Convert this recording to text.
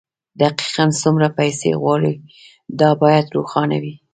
دقيقاً څومره پيسې غواړئ دا بايد روښانه وي.